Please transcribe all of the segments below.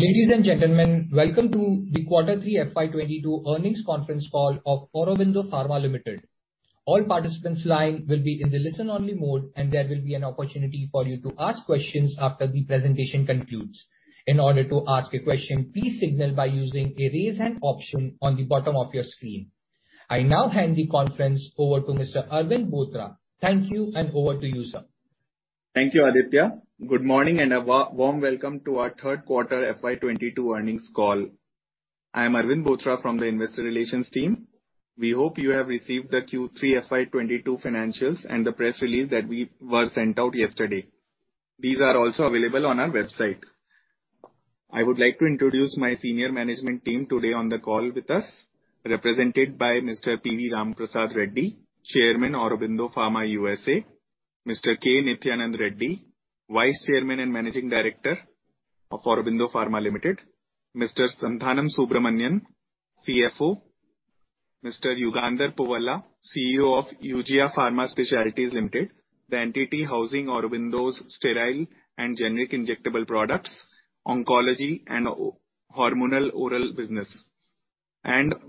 Ladies and gentlemen, welcome to the Quarter three FY 2022 earnings conference call of Aurobindo Pharma Limited. All participants' lines will be in the listen-only mode, and there will be an opportunity for you to ask questions after the presentation concludes. In order to ask a question, please signal by using a Raise Hand option on the bottom of your screen. I now hand the conference over to Mr. Arvind Bothra. Thank you, and over to you, sir. Thank you, Aditya. Good morning, and a warm welcome to our third quarter FY 2022 earnings call. I am Arvind Bothra from the investor relations team. We hope you have received the Q3 FY 2022 financials and the press release that we sent out yesterday. These are also available on our website. I would like to introduce my senior management team today on the call with us, represented by Mr. P.V. Ramprasad Reddy, Chairman, Aurobindo Pharma USA. Mr. K. Nithyananda Reddy, Vice Chairman and Managing Director of Aurobindo Pharma Limited. Mr. Santhanam Subramanian, CFO. Mr. Yugandhar Puvvala, CEO of Eugia Pharma Specialities Limited, the entity housing Aurobindo's sterile and generic injectable products, oncology, and hormonal oral business.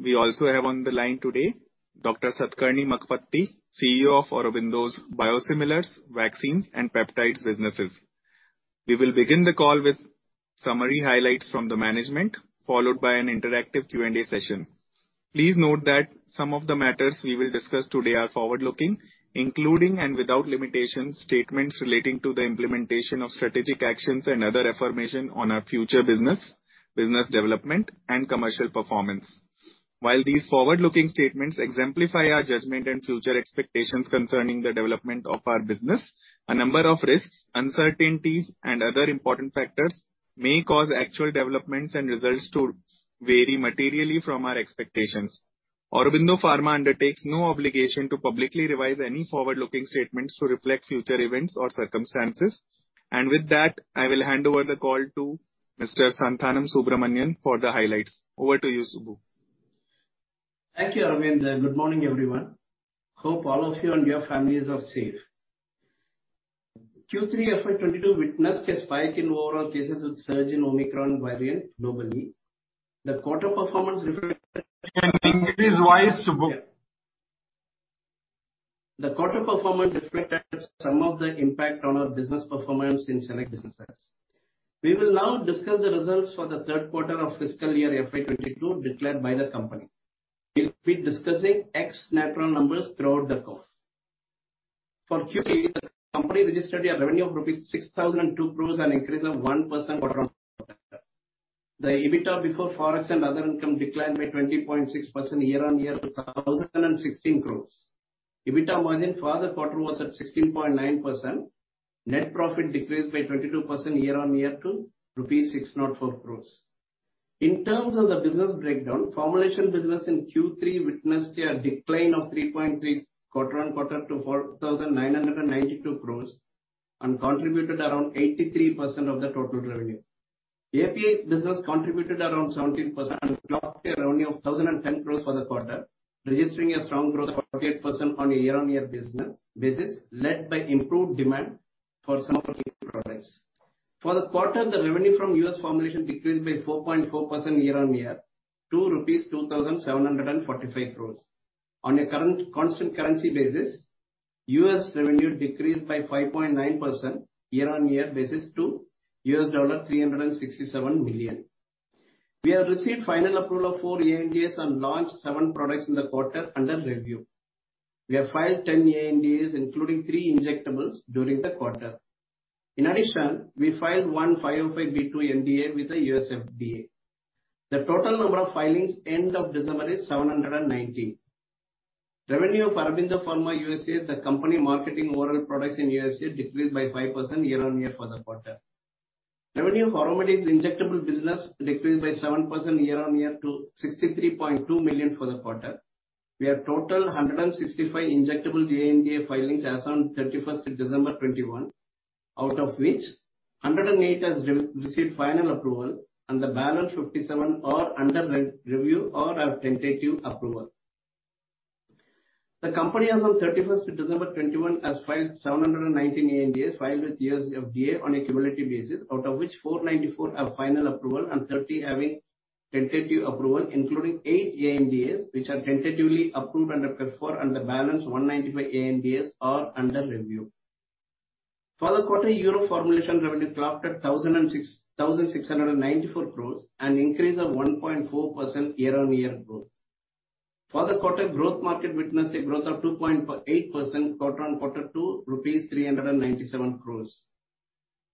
We also have on the line today Dr. Satakarni Makkapati, CEO of Aurobindo's biosimilars, vaccines, and peptides businesses. We will begin the call with summary highlights from the management, followed by an interactive Q&A session. Please note that some of the matters we will discuss today are forward-looking, including and without limitation, statements relating to the implementation of strategic actions and other affirmation on our future business development, and commercial performance. While these forward-looking statements exemplify our judgment and future expectations concerning the development of our business, a number of risks, uncertainties, and other important factors may cause actual developments and results to vary materially from our expectations. Aurobindo Pharma undertakes no obligation to publicly revise any forward-looking statements to reflect future events or circumstances. With that, I will hand over the call to Mr. Santhanam Subramanian for the highlights. Over to you, Subbu. Thank you, Arvind. Good morning, everyone. Hope all of you and your families are safe. Q3 FY 2022 witnessed a spike in overall cases with surge in Omicron variant globally. The quarter performance reflected. Can you increase voice, Subbu? The quarter performance reflected some of the impact on our business performance in select businesses. We will now discuss the results for the third quarter of fiscal year FY 2022 declared by the company. We'll be discussing ex-Natrol numbers throughout the course. For Q3, the company registered a revenue of 6,002 crore rupees, an increase of 1% quarter-on-quarter. The EBITDA before Forex and other income declined by 20.6% year-on-year to 1,016 crore. EBITDA margin for the quarter was at 16.9%. Net profit decreased by 22% year-on-year to rupees 604 crore. In terms of the business breakdown, formulation business in Q3 witnessed a decline of 3.3% quarter-on-quarter to 4,992 crore, and contributed around 83% of the total revenue. API business contributed around 17%, clocked a revenue of 1,010 crore for the quarter, registering a strong growth of 48% on a year-on-year basis, led by improved demand for some of the key products. For the quarter, the revenue from U.S. formulations decreased by 4.4% year-on-year to 2,745 crore. On a constant currency basis, U.S. revenue decreased by 5.9% year-on-year basis to $367 million. We have received final approval of 4 ANDAs and launched 7 products in the quarter under review. We have filed 10 ANDAs, including 3 injectables, during the quarter. In addition, we filed one 505(b)(2) NDA with the U.S. FDA. The total number of filings end of December is 719. Revenue of Aurobindo Pharma USA, the company marketing oral products in U.S., decreased by 5% year-on-year for the quarter. Revenue of Auromedics' injectable business decreased by 7% year-on-year to $63.2 million for the quarter. We have total 165 injectable ANDA filings as on December 31, 2021, out of which 108 have received final approval and the balance 57 are under review or have tentative approval. The company as on December 31, 2021 has filed 719 ANDAs, filed with U.S. FDA on a cumulative basis, out of which 494 have final approval and 30 having tentative approval, including 8 ANDAs which are tentatively approved under Para IV and the balance 195 ANDAs are under review. For the quarter, Europe formulation revenue clocked at 1,694 crores, an increase of 1.4% year-on-year growth. For the quarter, growth market witnessed a growth of 2.8% quarter-on-quarter to INR 397 crores.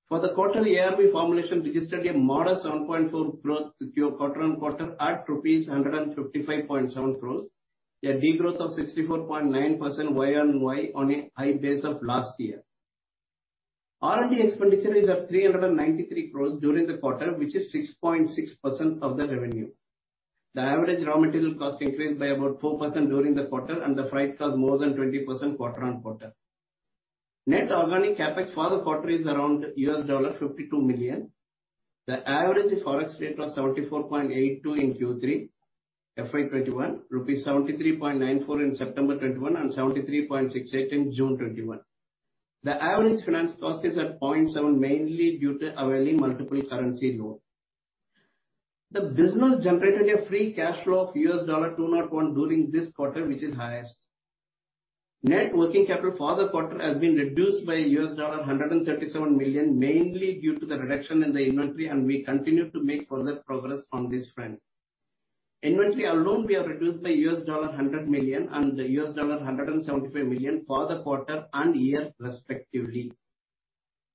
For the quarter, ARV formulation registered a modest 1.4% growth quarter-on-quarter at rupees 155.7 crores, a degrowth of 64.9% year-on-year on a high base of last year. R&D expenditure is at 393 crores during the quarter, which is 6.6% of the revenue. The average raw material cost increased by about 4% during the quarter, and the freight cost more than 20% quarter-on-quarter. Net organic CapEx for the quarter is around $52 million. The average Forex rate was 74.82 in Q3 FY 2021, rupee 73.94 in September 2021, and 73.68 in June 2021. The average finance cost is at 0.7%, mainly due to availing multiple currency loan. The business generated a free cash flow of $201 million during this quarter, which is highest. Net working capital for the quarter has been reduced by $137 million, mainly due to the reduction in the inventory, and we continue to make further progress on this front. Inventory alone, we have reduced by $100 million and $175 million for the quarter and year respectively.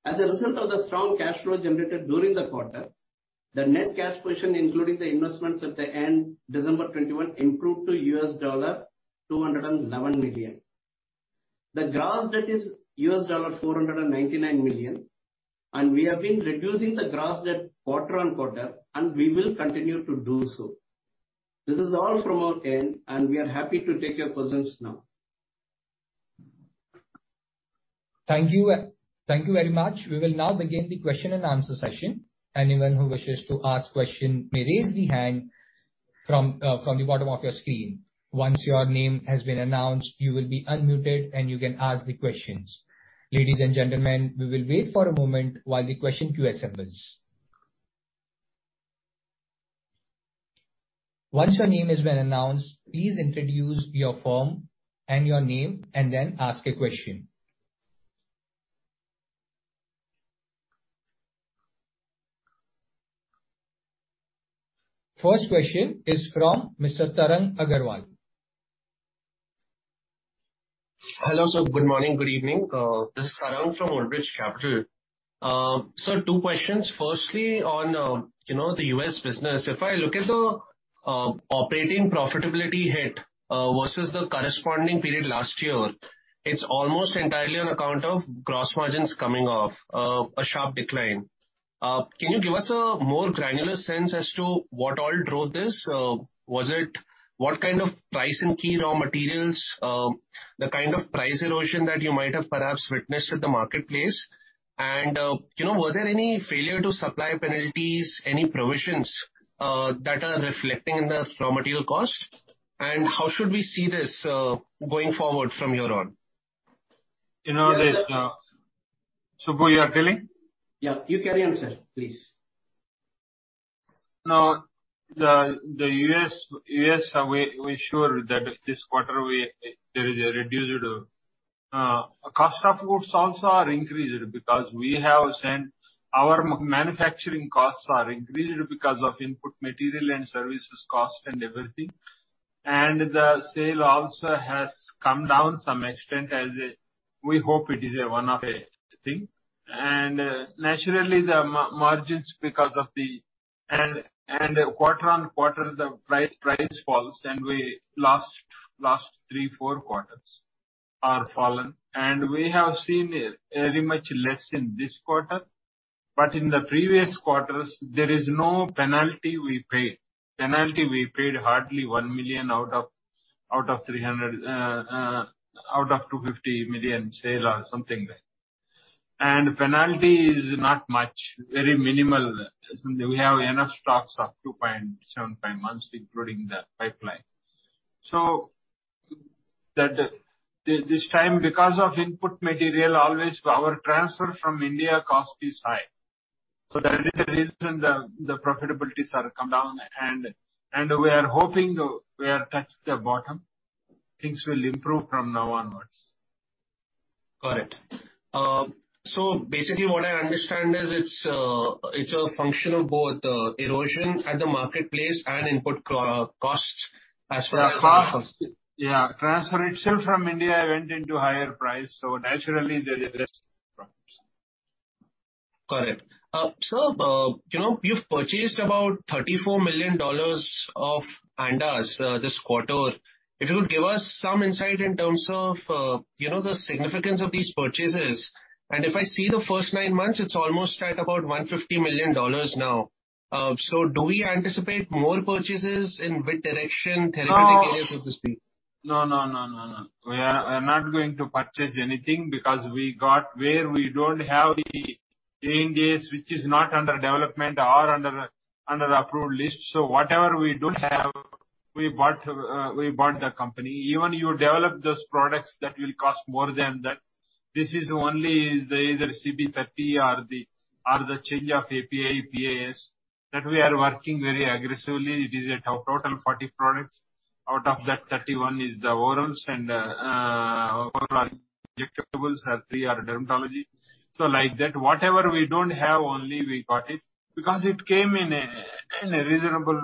As a result of the strong cash flow generated during the quarter, the net cash position, including the investments at the end of December 2021, improved to $211 million. The gross debt is $499 million, and we have been reducing the gross debt quarter-on-quarter, and we will continue to do so. This is all from our end, and we are happy to take your questions now. Thank you. Thank you very much. We will now begin the question and answer session. Anyone who wishes to ask question may raise the hand from the bottom of your screen. Once your name has been announced, you will be unmuted and you can ask the questions. Ladies and gentlemen, we will wait for a moment while the question queue assembles. Once your name has been announced, please introduce your firm and your name and then ask a question. First question is from Mr. Tarang Agrawal. Hello, sir. Good morning, good evening. This is Tarang from Old Bridge Capital. Sir, two questions. Firstly, on, you know, the U.S. business. If I look at the operating profitability hit versus the corresponding period last year, it's almost entirely on account of gross margins coming off a sharp decline. Can you give us a more granular sense as to what all drove this? Was it what kind of price increase in key raw materials, the kind of price erosion that you might have perhaps witnessed at the marketplace? And, you know, were there any failure to supply penalties, any provisions that are reflecting in the raw material cost? And how should we see this going forward from here on? You know this, Subbu, you are telling? Yeah, you carry on, sir, please. Now, the U.S., we are sure that this quarter there is a reduction. Cost of goods also are increased because we have seen our manufacturing costs are increased because of input material and services cost and everything. The sale also has come down some extent as we hope it is a one-off thing. Naturally, the margins because of the quarter-on-quarter, the price falls and in the last three, four quarters are fallen. We have seen it very much less in this quarter. But in the previous quarters, there is no penalty we paid. Penalty, we paid hardly $1 million out of $250 million sale or something like. Penalty is not much, very minimal. We have enough stocks of 2.75 months, including the pipeline. That, this time, because of input material always our transfer from India cost is high. That is the reason the profitabilities are come down. We are hoping we have touched the bottom. Things will improve from now onward. Got it. Basically what I understand is it's a function of both erosion at the marketplace and input costs as far as. Yeah. Transfer itself from India went into higher price, so naturally there is this problem. Got it. Sir, you know, you've purchased about $34 million of ANDAs this quarter. If you could give us some insight in terms of the significance of these purchases. If I see the first nine months, it's almost at about $150 million now. Do we anticipate more purchases, in which direction therapeutically, so to speak? No. We are not going to purchase anything because we got where we don't have the ANDAs, which is not under development or under approved list. Whatever we don't have, we bought the company. Even you develop those products, that will cost more than that. This is only the either CBE-30 or the change of API, PAS, that we are working very aggressively. It is a total 40 products. Out of that, 31 is the orals and oral injectables are 3, or dermatology. Like that, whatever we don't have only we got it because it came in a reasonable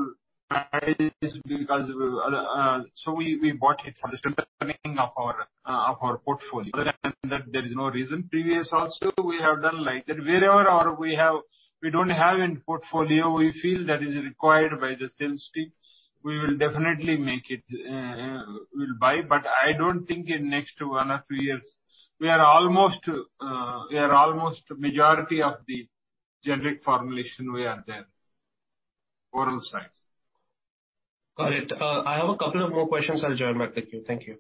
price because we bought it for the strengthening of our portfolio. Other than that, there is no reason. Previous also we have done like that. Wherever we have or we don't have in portfolio, we feel that is required by the sales team, we will definitely make it. We'll buy. I don't think in next one or two years. We are almost majority of the generic formulation we are there. Oral side. Got it. I have a couple of more questions. I'll join back the queue. Thank you.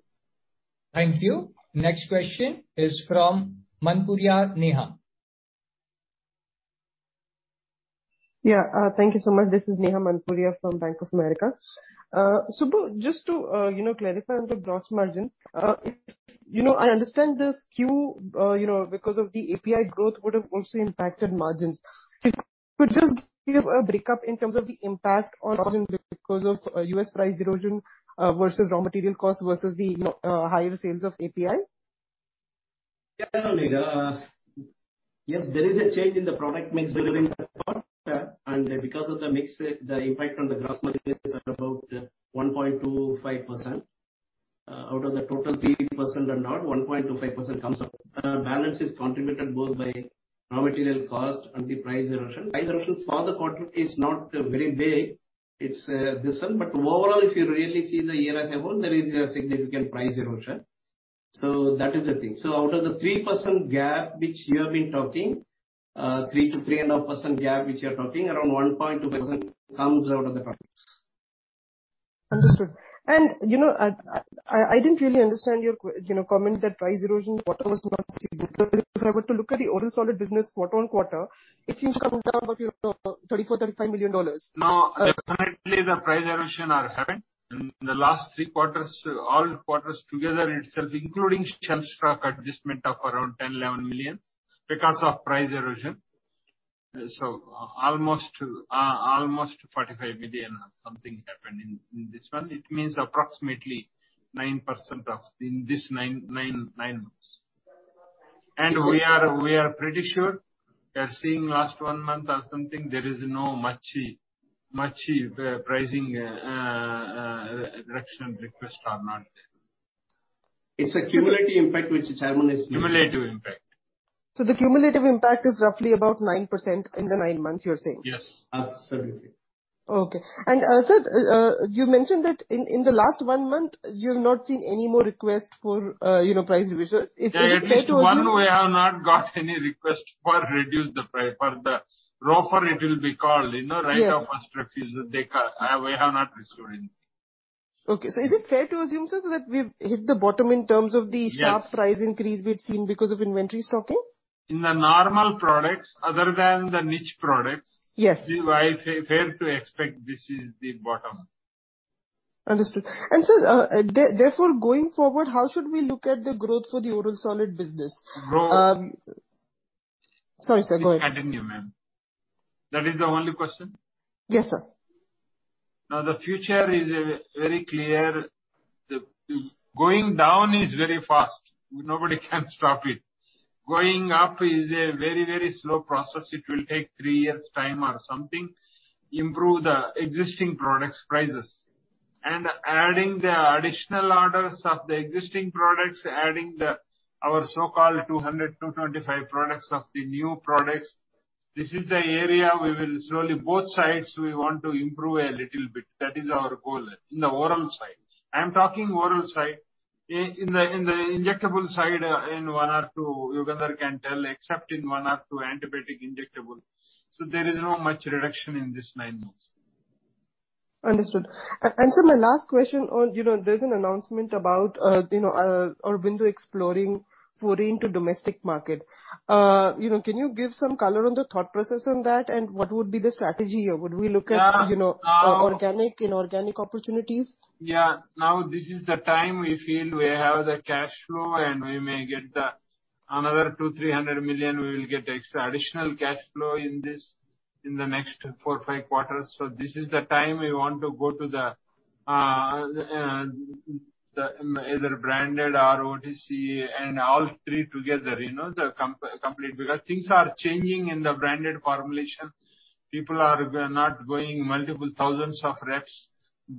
Thank you. Next question is from Neha Manpuria. Yeah. Thank you so much. This is Neha Manpuria from Bank of America. Subbu, just to, you know, clarify on the gross margin. I understand the SKU, because of the API growth would have also impacted margins. Could just give a break up in terms of the impact on margin because of, U.S. price erosion, versus raw material costs versus the, higher sales of API. Yes, there is a change in the product mix during that part. Because of the mix, the impact on the gross margin is at about 1.25%. Out of the total 3% or not, 1.25% comes up. The balance is contributed both by raw material cost and the price erosion. Price erosion for the quarter is not very big. It's decent, but overall, if you really see the year as a whole, there is a significant price erosion. That is the thing. Out of the 3% gap which you have been talking, 3%-3.5% gap which you're talking, around 1.25% comes out of the products. Understood. You know, I didn't really understand your comment that price erosion quarter was not significant. If I were to look at the oral solid business quarter-on-quarter, it seems to come down about, you know, $34 million-$35 million. No, definitely the price erosion are happened. In the last three quarters, all quarters together itself, including shelf stock adjustment of around 10-11 million because of price erosion. Almost 45 million or something happened in this one. It means approximately 9% off in this 9 months. We are pretty sure we are seeing in the last one month or something, there is not much pricing reduction request or not. It's a cumulative impact which the Chairman is saying. Cumulative impact. The cumulative impact is roughly about 9% in the nine months you're saying? Yes. Absolutely. Okay. Sir, you mentioned that in the last one month, you've not seen any more request for you know, price revision. Is it fair to assume- One, we have not got any request to reduce the price. For the ROFR it will be called, you know? Yes. Right of first refusal. We have not received anything. Okay. Is it fair to assume, sir, that we've hit the bottom in terms of the? Yes. sharp price increase we had seen because of inventory stocking? In the normal products other than the niche products. Yes. It's fair to expect this is the bottom. Understood. Sir, therefore, going forward, how should we look at the growth for the oral solid business? No- Sorry, sir. Go ahead. Continue, ma'am. That is the only question? Yes, sir. Now the future is very clear. The going down is very fast. Nobody can stop it. Going up is a very, very slow process. It will take three years' time or something, improve the existing products' prices. Adding the additional orders of the existing products, adding our so-called 200-225 products of the new products, this is the area we will slowly both sides we want to improve a little bit. That is our goal in the oral side. I am talking oral side. In the injectable side, in one or two, Yugandhar can tell, except in one or two antibiotic injectable. So there is no much reduction in this nine months. Understood. Sir, my last question on, you know, there's an announcement about, you know, Aurobindo exploring foreign to domestic market. You know, can you give some color on the thought process on that, and what would be the strategy here? Would we look at- Yeah. You know, organic, inorganic opportunities? Yeah. Now, this is the time we feel we have the cash flow, and we may get another 200-300 million we will get extra additional cash flow in the next 4-5 quarters. This is the time we want to go to the either branded or OTC and all three together, you know, the complete. Because things are changing in the branded formulation. People are not going multiple thousands of reps.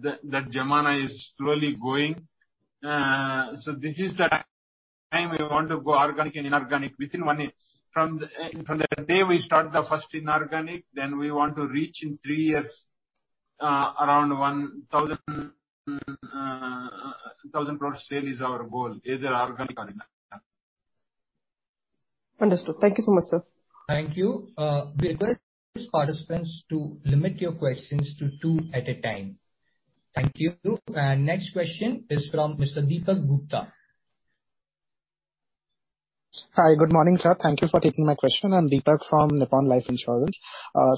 That jamana is slowly going. This is the time we want to go organic and inorganic within one year. From the day we start the first inorganic, then we want to reach in three years around 1,000 product sale is our goal, either organic or inorganic. Understood. Thank you so much, sir. Thank you. We request participants to limit your questions to two at a time. Thank you. Next question is from Mr. Deepak Gupta. Hi. Good morning, sir. Thank you for taking my question. I'm Deepak from Nippon Life Insurance.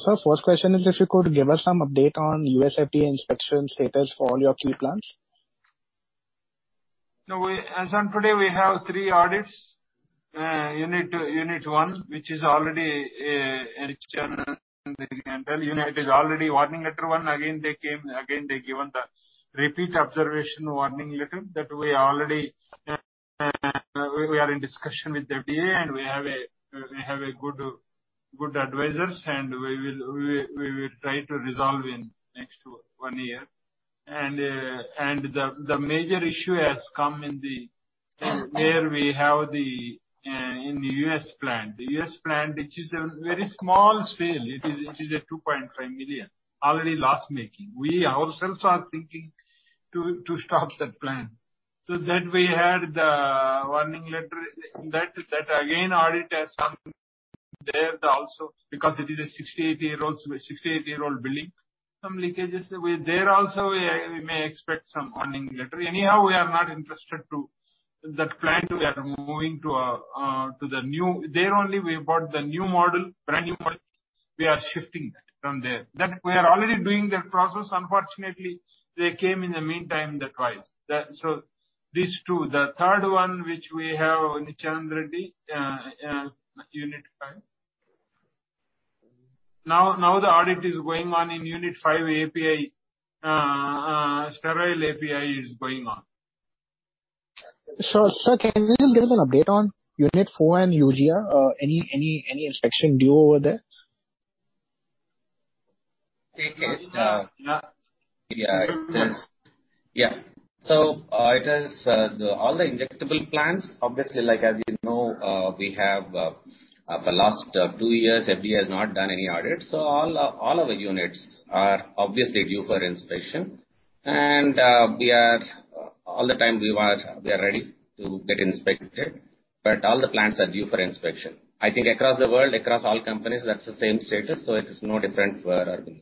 Sir, first question is if you could give us some update on U.S. FDA inspection status for all your key plants. Now we, as on today, have three audits. Unit one, which is already, in general, you can tell. Unit 1 is already warning letter one. Again, they came, they given the repeat observation warning letter that we already are in discussion with the FDA, and we have good advisors, and we will try to resolve in next one year. The major issue has come in the U.S. plant. The U.S. plant, which is a very small scale. It is a $2.5 million. Already loss-making. We ourselves are thinking to stop that plant. That we had the warning letter. That again audit has come there also because it is a 68-year-old building. Some leakages. We may expect some warning letter there also. Anyhow, we are not interested to. That plant we are moving to the new. There only we bought the new model, brand-new model. We are shifting that from there. That we are already doing that process. Unfortunately, they came in the meantime, the price. So these two. The third one, which we have Nithyananda Reddy, unit five. Now the audit is going on in unit five API. Sterile API is going on. Sir, can you give us an update on unit four and Eugia? Any inspection due over there? I think it is. So, it is all the injectable plants, obviously, like as you know, we have the last two years FDA has not done any audits. So all of the units are obviously due for inspection. We are all the time ready to get inspected, but all the plants are due for inspection. I think across the world, across all companies, that's the same status, so it is no different for Aurobindo.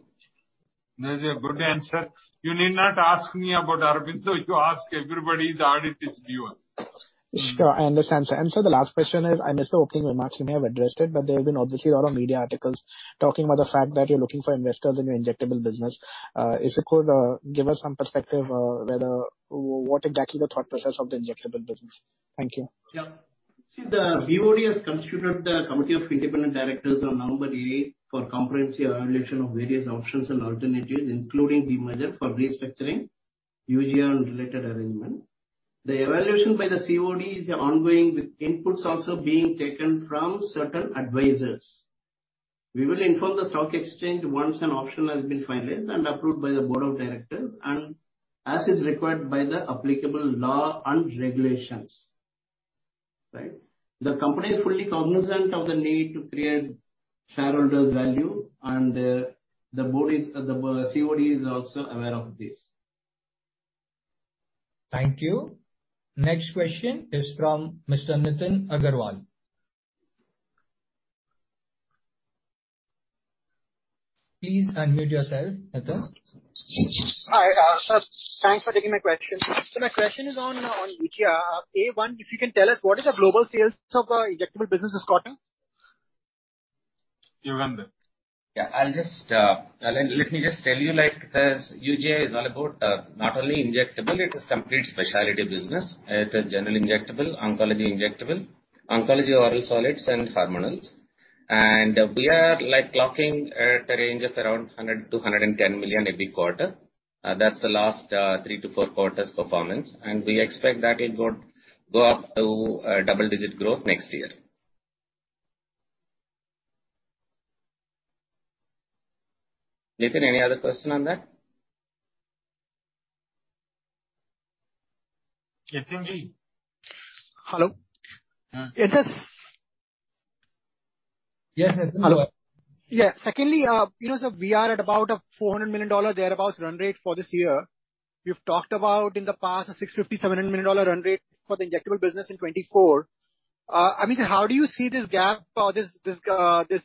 That's a good answer. You need not ask me about Aurobindo. You ask everybody the audit is due. Sure, I understand, sir. Sir, the last question is, I missed the opening remarks, you may have addressed it, but there have been obviously a lot of media articles talking about the fact that you're looking for investors in your injectable business. If you could give us some perspective, whether what exactly the thought process of the injectable business. Thank you. Yeah. See, the Board has constituted the Committee of Independent Directors on November eighth for comprehensive evaluation of various options and alternatives, including demerger for restructuring Eugia and related arrangement. The evaluation by the Board is ongoing, with inputs also being taken from certain advisors. We will inform the stock exchange once an option has been finalized and approved by the board of directors and as is required by the applicable law and regulations. Right. The company is fully cognizant of the need to create shareholders' value, and, the Board is also aware of this. Thank you. Next question is from Mr. Nitin Agarwal. Please unmute yourself, Nitin. Hi. Thanks for taking my question. My question is on Eugia. If you can tell us what is the global sales of injectable business crossing? Yugandhar. Yeah, I'll just let me just tell you, like, this Eugia is all about not only injectable. It is complete specialty business. It is general injectable, oncology injectable, oncology oral solids, and hormonals. We are, like, clocking at a range of around $100 million-$110 million every quarter. That's the last 3-4 quarters' performance. We expect that it would go up to double-digit growth next year. Nitin, any other question on that? Nitin Agarwal. Hello. Yeah. It is- Yes, Nitin Agarwal. Hello. Yeah. Secondly, you know, sir, we are at about a $400 million thereabout run rate for this year. You've talked about in the past a $650-$700 million run rate for the injectable business in 2024. I mean, sir, how do you see this gap or this difference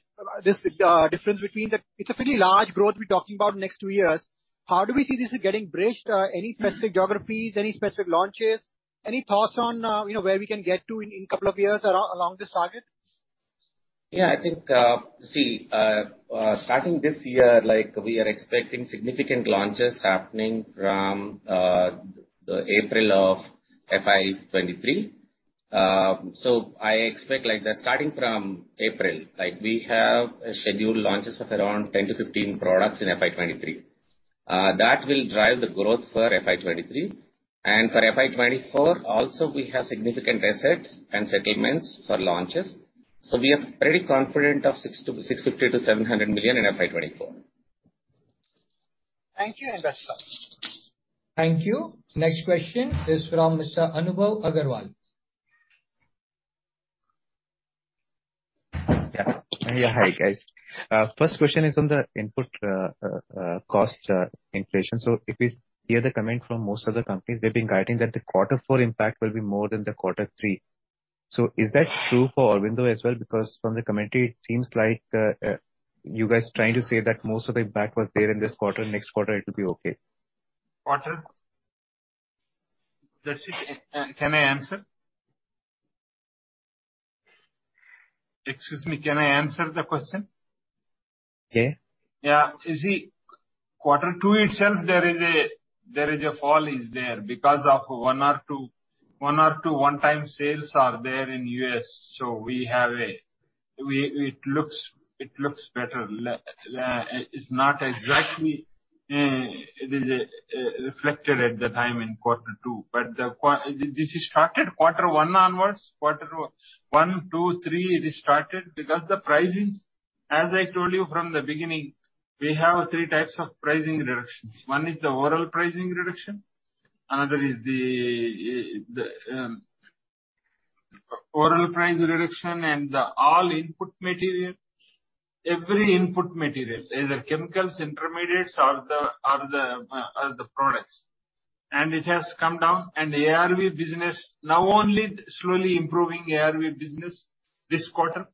between them? It's a pretty large growth we're talking about in the next two years. How do we see this getting bridged? Any specific geographies, any specific launches? Any thoughts on, you know, where we can get to in a couple of years along this target? Yeah, I think, see, starting this year, like, we are expecting significant launches happening from the April of FY 2023. I expect, like, starting from April, like, we have scheduled launches of around 10-15 products in FY 2023. That will drive the growth for FY 2023. For FY 2024 also we have significant assets and settlements for launches. We are pretty confident of $650 million-$700 million in FY 2024. Thank you. Best of luck. Thank you. Next question is from Mr. Anubhav Agarwal. Yeah. Yeah, hi, guys. First question is on the input cost inflation. If we hear the comment from most of the companies, they've been guiding that the quarter four impact will be more than the quarter three. Is that true for Aurobindo as well? Because from the commentary, it seems like you guys trying to say that most of the impact was there in this quarter, next quarter it will be okay. That's it. Excuse me, can I answer the question? Okay. Yeah. You see, quarter two itself there is a fall because of one or two one-time sales there in U.S. It looks better. It's not exactly reflected at the time in quarter two. This started quarter one onwards. Quarter one, two, three, it is started because the pricings, as I told you from the beginning, we have three types of pricing reductions. One is the oral pricing reduction, another is the oral price reduction and the all input material, every input material, either chemicals, intermediates or the products. It has come down. The ARV business now only slowly improving this quarter.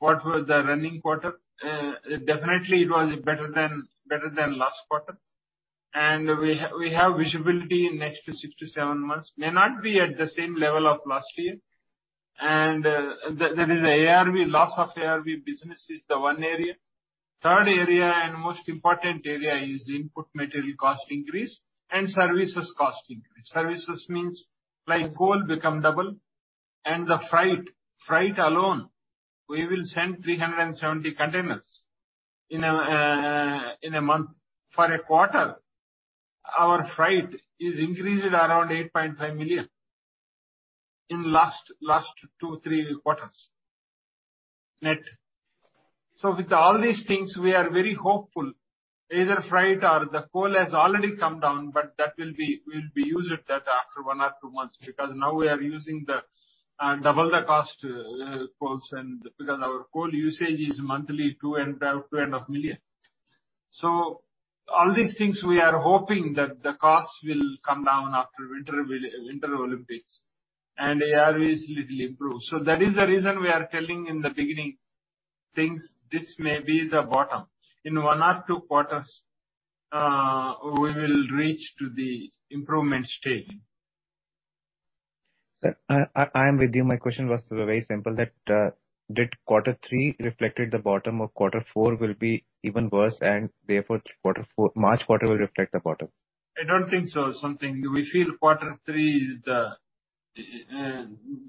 What was the running quarter? Definitely it was better than last quarter. We have visibility in next six to seven months. May not be at the same level of last year. That is ARV, loss of ARV business is the one area. Third area and most important area is input material cost increase and services cost increase. Services means, like, coal become double, and the freight alone, we will send 370 containers in a month. For a quarter, our freight is increased around 8.5 million in last two, three quarters. Net. With all these things, we are very hopeful, either freight or the coal has already come down, but that will be used that after one or two months. Because now we are using double the cost coals and because our coal usage is monthly 2.5 million. All these things we are hoping that the costs will come down after Winter Olympics, and ARV is little improved. That is the reason we are telling in the beginning, things, this may be the bottom. In one or two quarters, we will reach to the improvement stage. Sir, I am with you. My question was very simple that, did quarter three reflected the bottom or quarter four will be even worse and therefore quarter four, March quarter will reflect the bottom? I don't think so. We feel quarter three is the.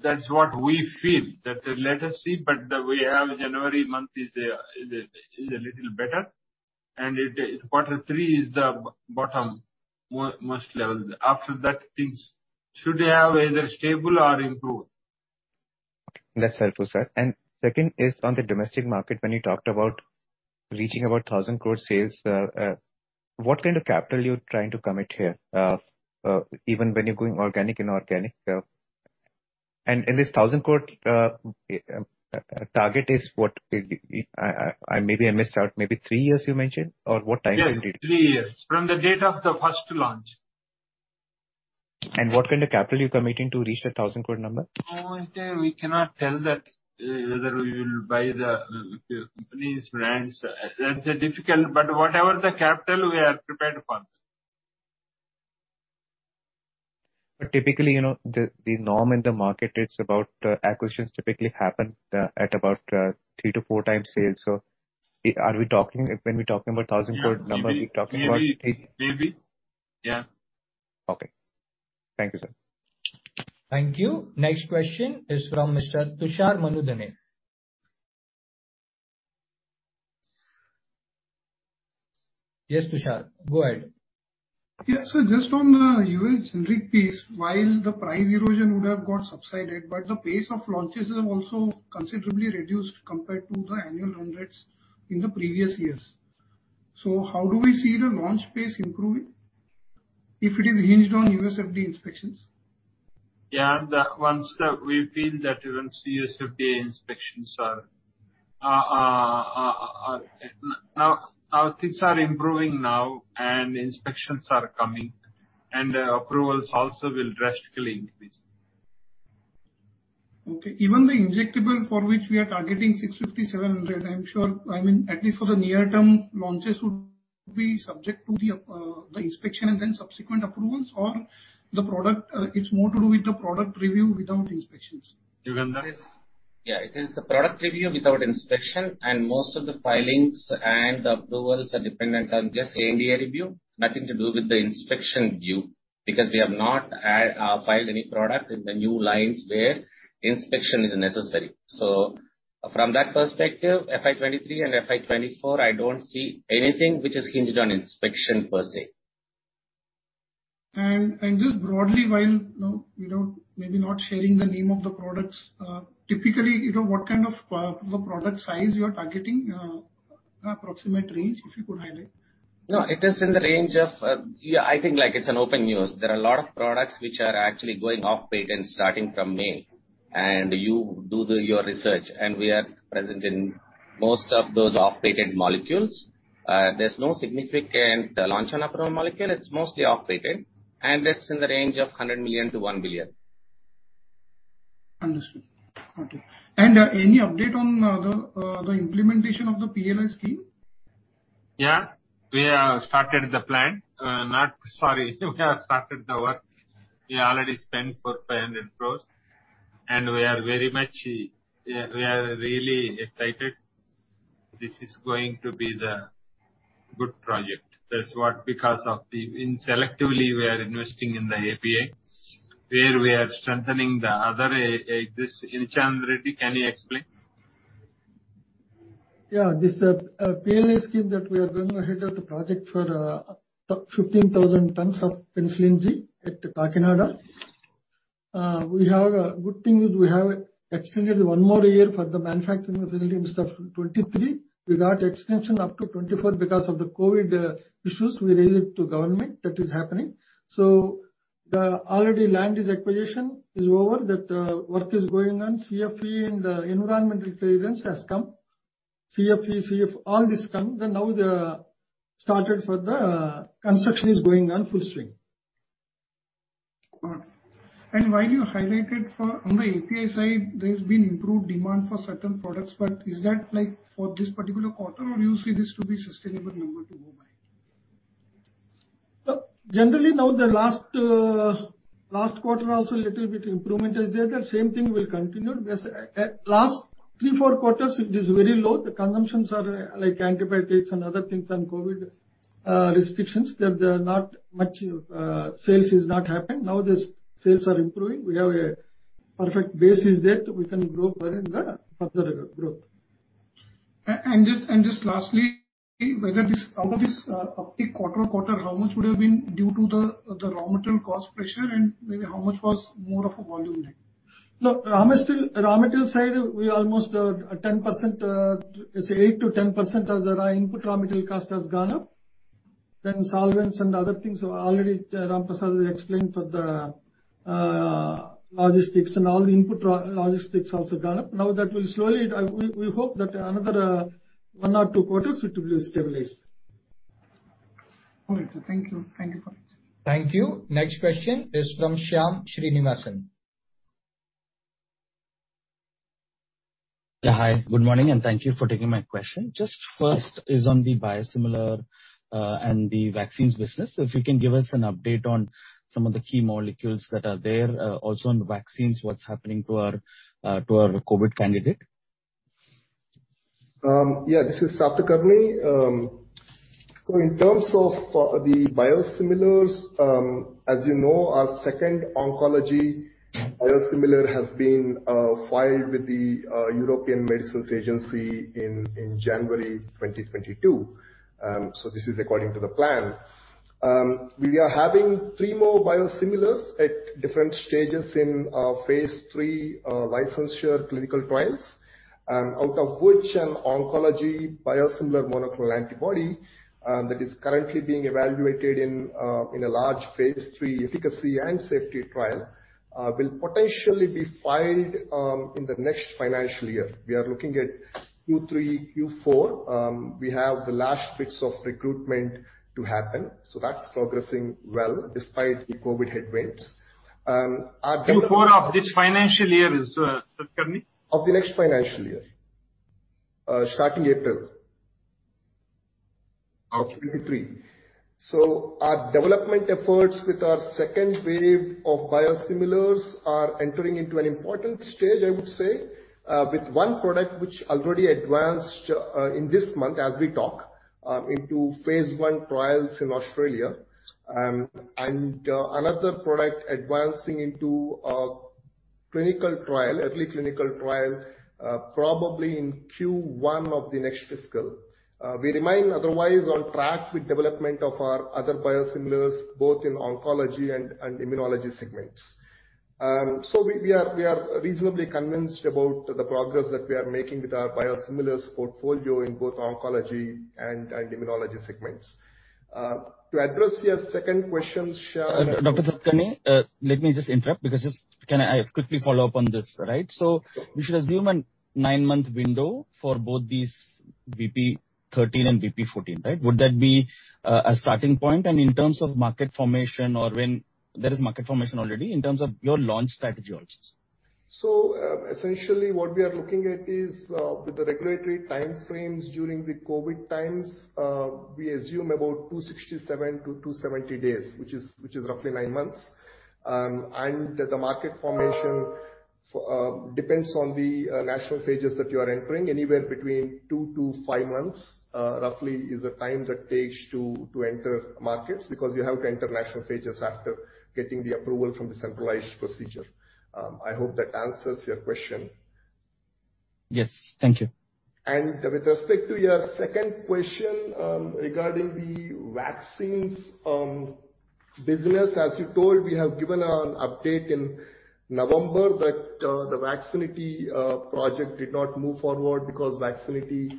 That's what we feel. That, let us see, but the way, January month is a little better. It's quarter three is the bottom most level. After that things should have either stable or improved. That's helpful, sir. Second is on the domestic market, when you talked about reaching about 1,000 crore sales, what kind of capital you're trying to commit here? Even when you're going organic, inorganic. This 1,000 crore target is what? Maybe I missed out. Maybe three years you mentioned? Or what time indeed? Yes, three years. From the date of the first launch. What kind of capital you're committing to reach the 1,000 crore number? Oh, I think we cannot tell that whether we will buy the companies, brands. That's difficult, but whatever the capital we are prepared for. Typically, you know, the norm in the market it's about acquisitions typically happen at about three to four times sales. Are we talking, when we talking about 1,000 crore numbers? Yeah. We're talking about. Maybe. Okay. Thank you, sir. Thank you. Next question is from Mr. Tushar Manudhane. Yes, Tushar, go ahead. Just on U.S. generics pace, while the price erosion would have got subsided, but the pace of launches has also considerably reduced compared to the annual run rates in the previous years. How do we see the launch pace improving if it is hinged on U.S. FDA inspections? Yeah. The ones that we feel that even U.S. FDA inspections are now. Things are improving now and inspections are coming, and approvals also will drastically increase. Okay. Even the injectable for which we are targeting 650, 700, I'm sure, I mean, at least for the near term, launches would be subject to the inspection and then subsequent approvals, or the product, it's more to do with the product review without inspections? Even that is. Yeah. It is the product review without inspection, and most of the filings and approvals are dependent on just NDA review. Nothing to do with the inspection due, because we have not filed any product in the new lines where inspection is necessary. From that perspective, FY 2023 and FY 2024, I don't see anything which is hinged on inspection per se. Just broadly, while you know, maybe not sharing the name of the products, typically, you know, what kind of the product size you are targeting? Approximate range, if you could highlight. No, it is in the range of, I think like it's an open news. There are a lot of products which are actually going off patent starting from May. You do your research, and we are present in most of those off-patent molecules. There's no significant launch on approval molecule. It's mostly off patent, and that's in the range of $100 million-$1 billion. Understood. Okay. Any update on the implementation of the PLI scheme? Yeah. We have started the work. We already spent 400 crores-500 crores. We are very much, we are really excited. This is going to be the good project. That's what, because of the selectively, we are investing in the API, where we are strengthening the other areas. Nithyananda Reddy, can you explain? This PLI scheme that we are going ahead with the project for 15,000 tons of Penicillin G at Kakinada. We have a good thing is we have extended one more year for the manufacturing facility instead of 2023. We got extension up to 2024 because of the COVID issues we raised to government. That is happening. The already land acquisition is over. That work is going on. CTE and environmental clearance has come. CTE, CF, all this come. Now the construction has started and is going on full swing. Good. While you highlighted, for one, on the API side, there's been improved demand for certain products, but is that, like, for this particular quarter or you see this to be sustainable number to go by? Generally now the last quarter also little bit improvement is there. The same thing will continue. Because at last three, four quarters it is very low. The consumptions are, like, antibiotics and other things on COVID restrictions. There are not much sales is not happening. Now the sales are improving. We have a perfect base is there that we can grow further in the further growth. Just lastly, how this uptick quarter-on-quarter, how much would have been due to the raw material cost pressure and maybe how much was more of a volume gain? Raw material side we almost 10%, say 8%-10% as our input raw material cost has gone up. Solvents and other things are already, Ramprasad Reddy explained for the logistics and all the input logistics also gone up. That will slowly. We hope that another one or two quarters it will stabilize. All right, sir. Thank you. Thank you for this. Thank you. Next question is from Shyam Srinivasan. Yeah, hi. Good morning and thank you for taking my question. Just first is on the biosimilars and the vaccines business. If you can give us an update on some of the key molecules that are there. Also on vaccines, what's happening to our COVID candidate? This is Satakarni Makkapati. In terms of the biosimilars, as you know, our second oncology biosimilar has been filed with the European Medicines Agency in January 2022. This is according to the plan. We are having three more biosimilars at different stages in phase III licensure clinical trials. Out of which an oncology biosimilar monoclonal antibody that is currently being evaluated in a large phase III efficacy and safety trial will potentially be filed in the next financial year. We are looking at Q3, Q4. We have the last bits of recruitment to happen. That's progressing well despite the COVID headwinds. Q4 of this financial year, Satakarni? Of the next financial year, starting April 2023. Our development efforts with our second wave of biosimilars are entering into an important stage, I would say, with one product which already advanced in this month as we talk into phase I trials in Australia, and another product advancing into early clinical trial probably in Q1 of the next fiscal. We remain otherwise on track with development of our other biosimilars, both in oncology and immunology segments. We are reasonably convinced about the progress that we are making with our biosimilars portfolio in both oncology and immunology segments. To address your second question, Shyam. Dr. Satakarni, let me just interrupt because just can I quickly follow up on this, right? We should assume a 9-month window for both these BP 13 and BP 14, right? Would that be a starting point? In terms of market formation or when there is market formation already in terms of your launch strategy also. Essentially what we are looking at is, with the regulatory timeframes during the COVID times, we assume about 267-270 days, which is roughly nine months. The market formation depends on the national phases that you are entering. Anywhere between 2-5 months roughly is the time that takes to enter markets, because you have to enter national phases after getting the approval from the centralized procedure. I hope that answers your question. Yes. Thank you. With respect to your second question, regarding the vaccines business, as you told, we have given an update in November that the Vaxxinity project did not move forward because Vaxxinity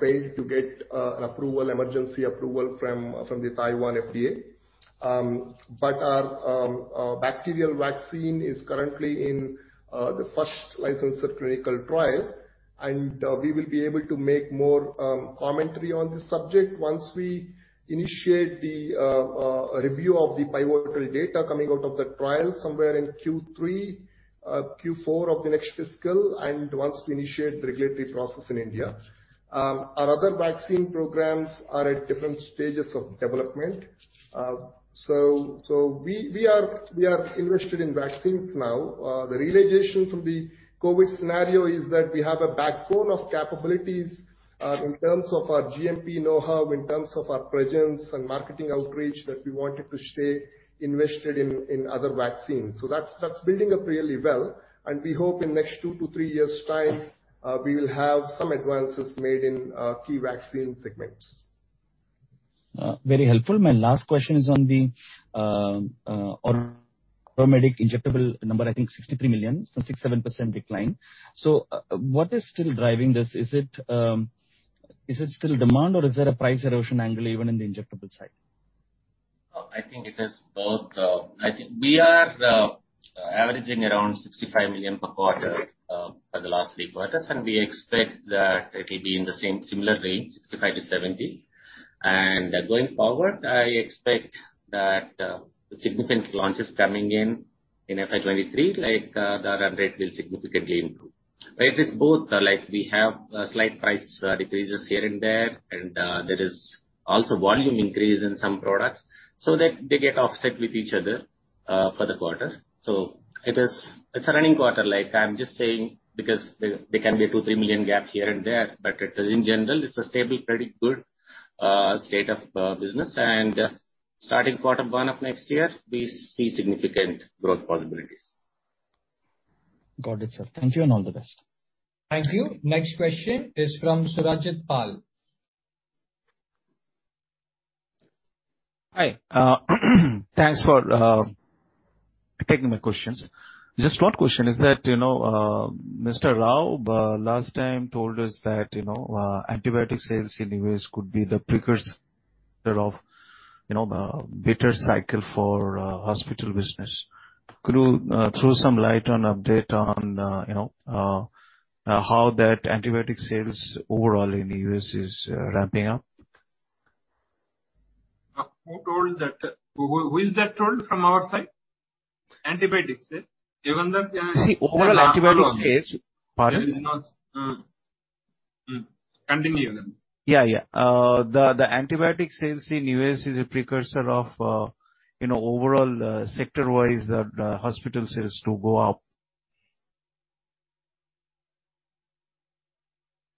failed to get an approval, emergency approval from the Taiwan FDA. But our bacterial vaccine is currently in phase I clinical trial, and we will be able to make more commentary on this subject once we initiate the review of the pivotal data coming out of the trial somewhere in Q3, Q4 of the next fiscal and once we initiate the regulatory process in India. Our other vaccine programs are at different stages of development. So we are invested in vaccines now. The realization from the COVID scenario is that we have a backbone of capabilities, in terms of our GMP know-how, in terms of our presence and marketing outreach, that we wanted to stay invested in other vaccines. That's building up really well, and we hope in next two to three years' time, we will have some advances made in key vaccine segments. Very helpful. My last question is on the Auromedics injectable number, I think $63 million, so 6%-7% decline. What is still driving this? Is it still demand or is there a price erosion angle even in the injectable side? I think it is both. I think we are averaging around $65 million per quarter for the last three quarters, and we expect that it will be in the same similar range, $65 million-$70 million. Going forward, I expect that the significant launches coming in in FY 2023, like, the run rate will significantly improve. It is both, like, we have a slight price decreases here and there, and there is also volume increase in some products, so they get offset with each other for the quarter. It is. It's a running quarter, like, I'm just saying because there can be 2, 3 million gap here and there, but it is in general, it's a stable, pretty good state of business. Starting quarter one of next year, we see significant growth possibilities. Got it, sir. Thank you, and all the best. Thank you. Next question is from Surajit Pal. Hi. Thanks for taking my questions. Just one question is that, you know, Mr. Rao, last time told us that, you know, antibiotic sales in U.S. could be the precursor of, you know, better cycle for, hospital business. Could you throw some light on update on, you know, how that antibiotic sales overall in U.S. is ramping up? Who told that? Who is that told from our side? Antibiotic sale? Even the- See, overall antibiotic sales. Continue. Yeah. The antibiotic sales in U.S. is a precursor of, you know, overall, sector-wise, hospital sales to go up.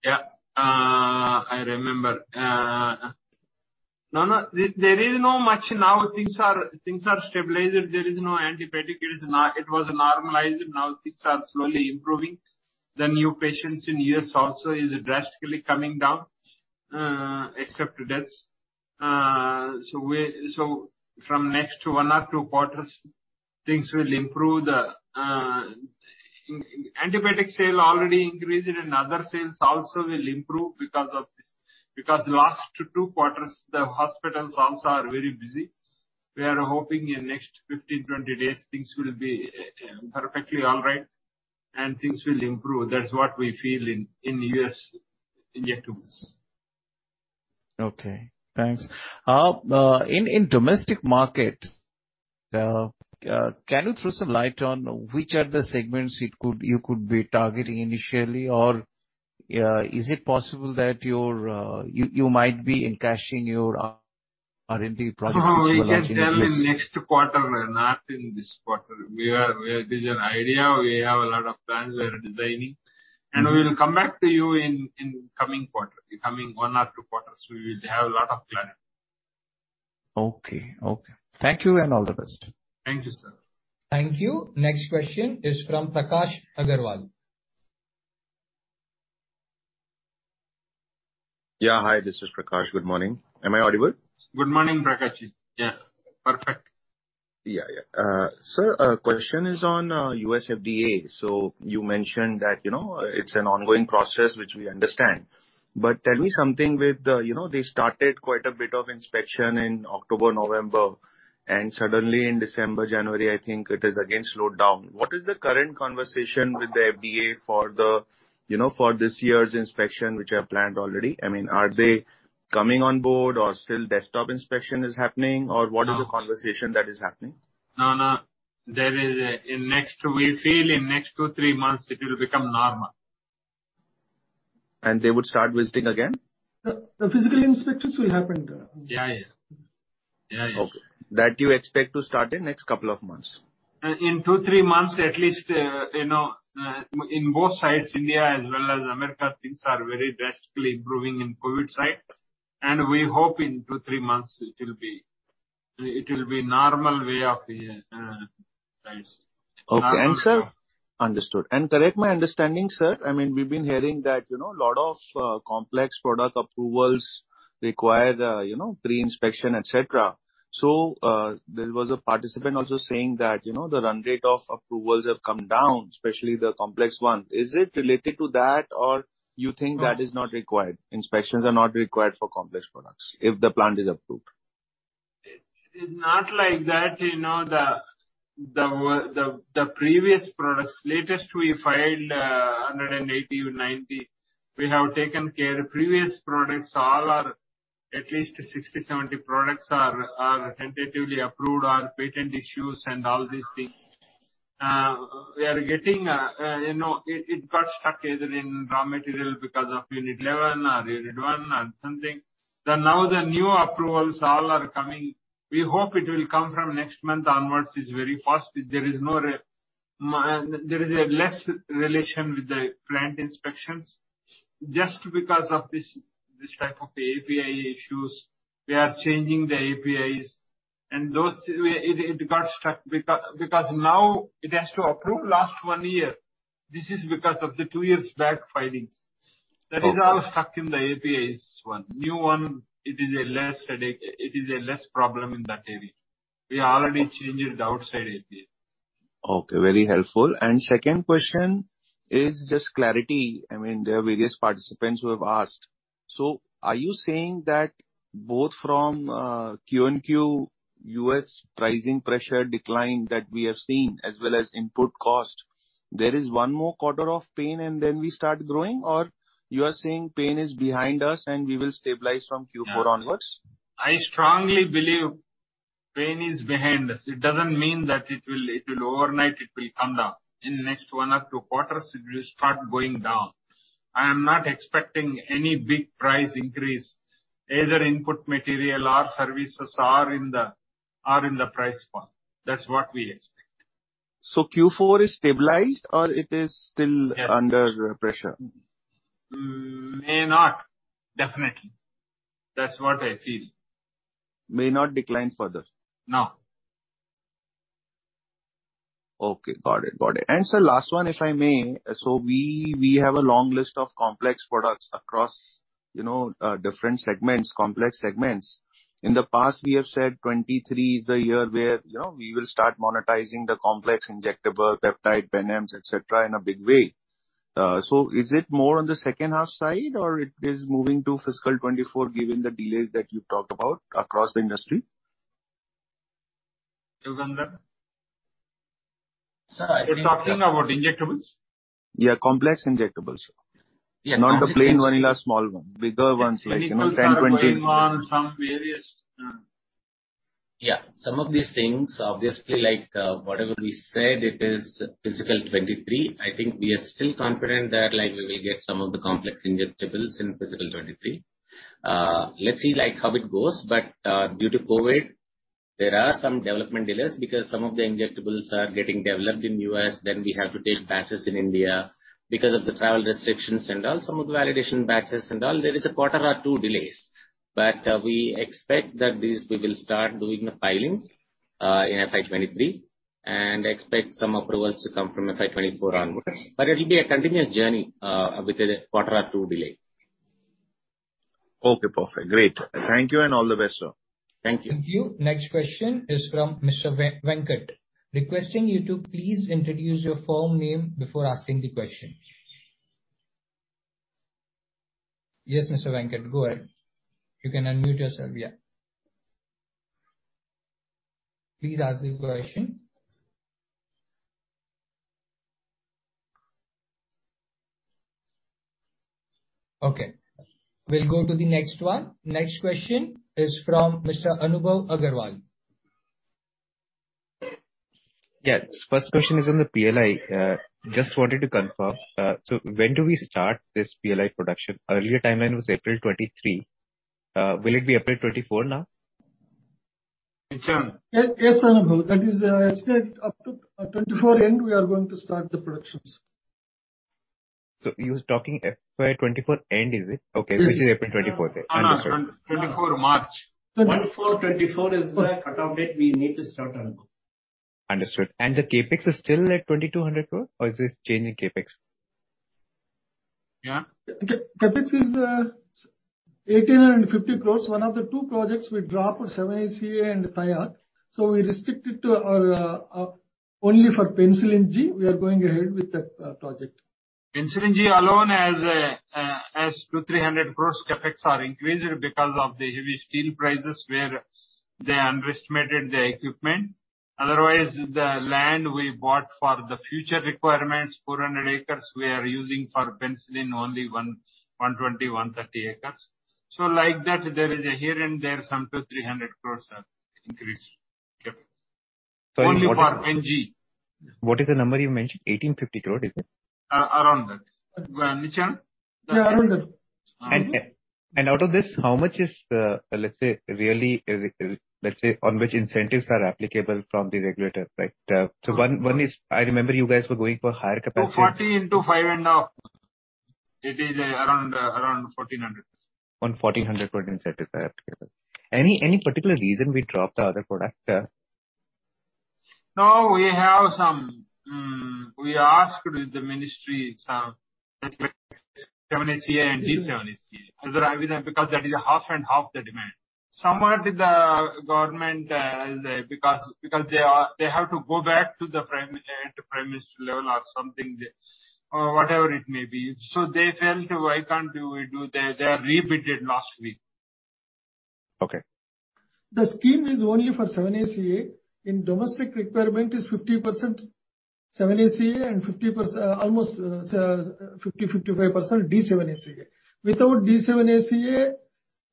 Yeah. I remember. No, no. There is not much now, things are stabilized. There is no antibiotic. It was normalized. Now things are slowly improving. The new patients in U.S. also is drastically coming down, except deaths. So from next one or two quarters, things will improve. The antibiotic sale already increased, and other sales also will improve because of this. Because last two quarters, the hospitals also are very busy. We are hoping in next 15, 20 days, things will be perfectly all right and things will improve. That's what we feel in U.S. in next two months. Okay. Thanks. In domestic market, can you throw some light on which are the segments you could be targeting initially? Or, is it possible that you might be encashing your R&D project which you are launching in U.S.? No, we can tell in next quarter, not in this quarter. We have this idea. We have a lot of plans we are designing, and we will come back to you in coming quarter. In coming one or two quarters, we will have a lot of clarity. Okay. Thank you, and all the best. Thank you, sir. Thank you. Next question is from Prakash Agarwal. Yeah. Hi, this is Prakash. Good morning. Am I audible? Good morning, Prakash. Yeah. Perfect. Yeah, yeah. Sir, question is on U.S. FDA. You mentioned that, you know, it's an ongoing process, which we understand. Tell me something with the you know, they started quite a bit of inspection in October, November, and suddenly in December, January, I think it has again slowed down. What is the current conversation with the FDA for the, you know, for this year's inspection, which are planned already? I mean, are they coming on board or still desktop inspection is happening? Or what is the conversation that is happening? No, no. We feel in next two, three months it will become normal. They would start visiting again? The physical inspections will happen. Yeah. Okay. Do you expect to start in the next couple of months? In two, three months, at least, you know, in both sides, India as well as America, things are very drastically improving in COVID side, and we hope in two, three months it will be normal way of life. Okay. Sir, understood. Correct my understanding, sir, I mean, we've been hearing that, you know, lot of complex product approvals require, you know, pre-inspection, et cetera. There was a participant also saying that, you know, the run rate of approvals have come down, especially the complex one. Is it related to that or you think that is not required, inspections are not required for complex products if the plant is approved? It's not like that. You know, the previous products, latest we filed, 180 or 190. We have taken care. Previous products all are at least 60, 70 products are tentatively approved on patent issues and all these things. We are getting, it got stuck either in raw material because of unit level or unit one or something. Now the new approvals all are coming. We hope it will come from next month onwards is very fast. There is a less relation with the plant inspections. Just because of this type of API issues, we are changing the APIs. Those, it got stuck because now it has to approve last one year. This is because of the two years back filings. Okay. That is all stuck in the APIs one. New one, it is a less problem in that area. We already changed the outside API. Okay. Very helpful. Second question is just clarity. I mean, there are various participants who have asked. So are you saying that both from Q3 and Q4 US pricing pressure decline that we have seen as well as input cost, there is one more quarter of pain and then we start growing? Or you are saying pain is behind us and we will stabilize from Q4 onwards. I strongly believe pain is behind us. It doesn't mean that it will overnight come down. In the next one or two quarters it will start going down. I am not expecting any big price increase, either input material or services or in the price point. That's what we expect. Q4 is stabilized or it is still? Yes. under pressure? May not, definitely. That's what I feel. May not decline further. No. Okay. Got it. Sir, last one, if I may. We have a long list of complex products across, you know, different segments, complex segments. In the past we have said 2023 is the year where, you know, we will start monetizing the complex injectable peptide, venoms, etc., in a big way. Is it more on the second half side or it is moving to fiscal 2024 given the delays that you talked about across the industry? Yugandhar. Sir, I think you're talking about injectables? Yeah, complex injectables. Yeah. Not the plain vanilla small one. Bigger ones like, you know, 10, 20. Clinicals are going on some various. Some of these things obviously, whatever we said it is FY 2023. I think we are still confident that we will get some of the complex injectables in FY 2023. Let's see how it goes. Due to COVID, there are some development delays because some of the injectables are getting developed in U.S., then we have to take batches in India because of the travel restrictions and all, some of the validation batches and all, there is a quarter or two delays. We expect that we will start doing the filings in FY 2023 and expect some approvals to come from FY 2024 onwards. It will be a continuous journey with a quarter or two delay. Okay, perfect. Great. Thank you and all the best, sir. Thank you. Thank you. Next question is from Mr. Venkat. Requesting you to please introduce your firm name before asking the question. Yes, Mr. Venkat, go ahead. You can unmute yourself. Yeah. Please ask the question. Okay, we'll go to the next one. Next question is from Mr. Anubhav Agarwal. Yes. First question is on the PLI. Just wanted to confirm, so when do we start this PLI production? Earlier timeline was April 2023. Will it be April 2024 now? Nithyananda. Yes, Anubhav. That is, as said, up to 2024 end we are going to start the productions. You're talking FY 2024 end, is it? Yes. Okay. Which is April 24th. Yeah. Understood. No. 24 March. 1/4/2024 is the cut-off date we need to start onward. Understood. The CapEx is still at 2,200 crore or is this change in CapEx? Yeah. CapEx is 1,850 crore. One of the two projects we dropped, 7-ACA and 6-APA. We restricted to only for Penicillin G, we are going ahead with that project. Penicillin G alone has 200-300 crore CapEx increased because of the heavy steel prices where they underestimated the equipment. Otherwise, the land we bought for the future requirements, 400 acres, we are using for penicillin only 120-130 acres. Like that, there is here and there some 200-300 crore increased CapEx. Sorry, what? Only for NG. What is the number you mentioned? 1,850 crore, is it? Around that. Nithyananda Reddy? Yeah, around that. Around that. Out of this, how much is let's say on which incentives are applicable from the regulator, right? One is I remember you guys were going for higher capacity. 40 into 5.5. It is around 1,400. 11,400 incentive are applicable. Any particular reason we dropped the other product? No, we have some, we asked the ministry some 7-ACA and D 7-ACA whether, I mean, because that is half and half the demand. The government, because they have to go back to the prime minister level or something there, or whatever it may be. They felt why can't we do it. They rebid it last week. Okay. The scheme is only for 7-ACA. The domestic requirement is 50% 7-ACA and 50% almost 55% D-7-ACA. Without D-7-ACA,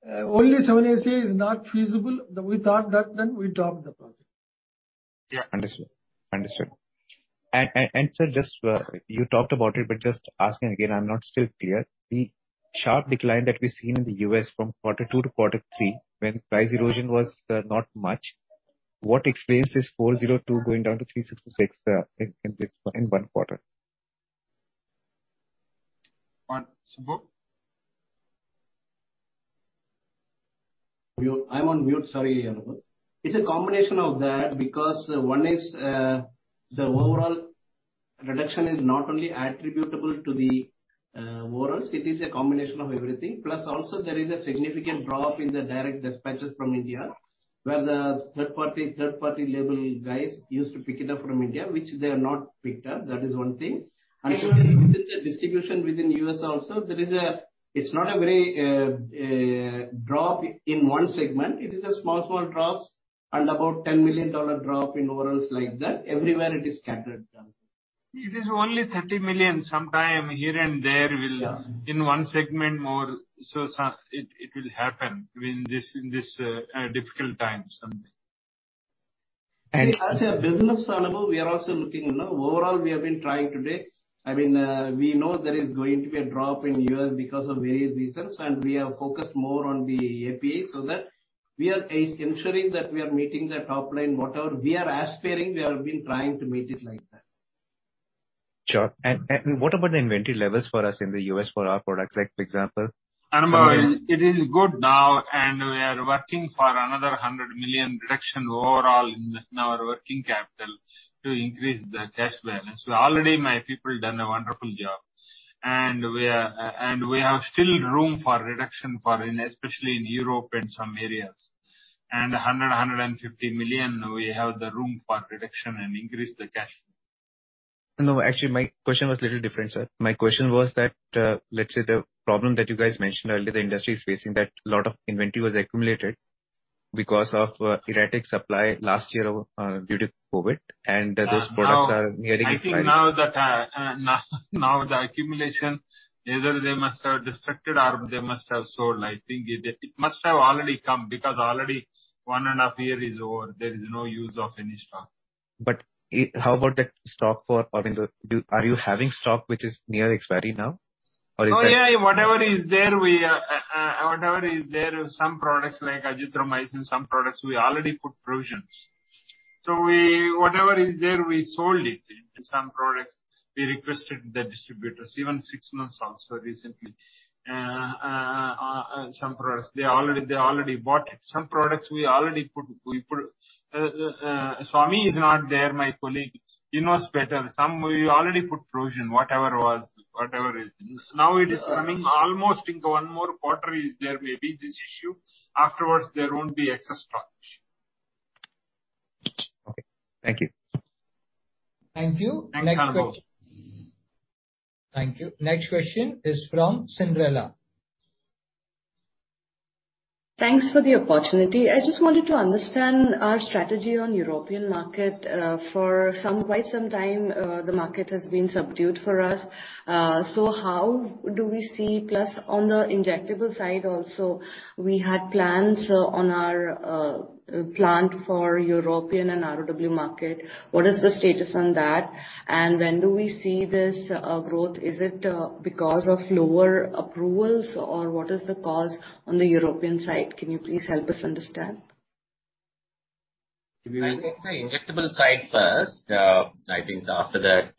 only 7-ACA is not feasible. We thought that, then we dropped the project. Yeah. Understood. Sir, just you talked about it, but just asking again. I'm not still clear. The sharp decline that we've seen in the U.S. from quarter two to quarter three when price erosion was not much. What explains this $402 going down to $366 in one quarter? What? Subbu? I'm on mute. Sorry, Anubhav. It's a combination of that because one is the overall reduction is not only attributable to the ARVs, it is a combination of everything. Plus also there is a significant drop in the direct dispatches from India. Where the third-party label guys used to pick it up from India, which they have not picked up. That is one thing. Within the distribution within U.S. also, there is a drop. It's not a very drop in one segment. It is small drops and about $10 million drop in overalls like that. Everywhere it is scattered. It is only 30 million, sometimes here and there. Yeah. It will happen in this difficult times. At a business level, we are also looking. Overall, we have been trying to date. I mean, we know there is going to be a drop in U.S. because of various reasons, and we are focused more on the API, so that we are ensuring that we are meeting the top line, whatever we are aspiring, we have been trying to meet it like that. Sure. What about the inventory levels for us in the U.S. for our products? Like for example- Anubhav, it is good now, and we are working for another 100 million reduction overall in our working capital to increase the cash balance. Already my people done a wonderful job. We have still room for reduction in, especially in Europe and some areas. 150 million, we have the room for reduction and increase the cash. No, actually, my question was a little different, sir. My question was that, let's say the problem that you guys mentioned earlier, the industry is facing that a lot of inventory was accumulated because of erratic supply last year due to COVID, and those products are nearing expiry. I think now that the accumulation, either they must have destructed or they must have sold. I think it must have already come because already 1.5 years is over. There is no use of any stock. How about that stock for? I mean, are you having stock which is near expiry now? Or is that? Whatever is there, some products like azithromycin, some products we already put provisions. Whatever is there, we sold it. Some products we requested the distributors even six months also recently. Some products, they already bought it. Some products we already put. Swami is not there, my colleague. He knows better. Some we already put provision, whatever was, whatever is. Now it is running almost into one more quarter. There may be this issue. Afterwards, there won't be excess stock. Okay. Thank you. Thank you. Next question. Thanks, Anubhav. Thank you. Next question is from Cyndrella Carvalho. Thanks for the opportunity. I just wanted to understand our strategy on European market. For quite some time, the market has been subdued for us. Plus on the injectable side also, we had plans on our plant for European and ROW market. What is the status on that? And when do we see this growth? Is it because of lower approvals or what is the cause on the European side? Can you please help us understand? I'll take the injectable side first. I think after that,